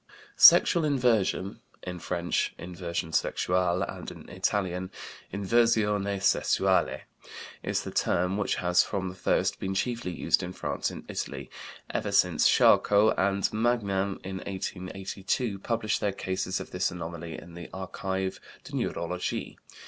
"Sexual Inversion" (in French "inversion sexuelle," and in Italian "inversione sessuale") is the term which has from the first been chiefly used in France and Italy, ever since Charcot and Magnan, in 1882, published their cases of this anomaly in the Archives de Neurologie.